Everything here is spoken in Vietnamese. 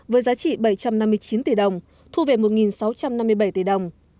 với giá trị bảy trăm năm mươi chín tỷ đồng thu về một sáu trăm năm mươi bảy tỷ đồng